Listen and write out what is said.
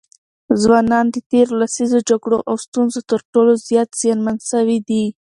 ځوانان د تېرو لسیزو جګړو او ستونزو تر ټولو زیات زیانمن سوي دي.